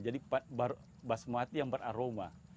jadi basmati yang beraroma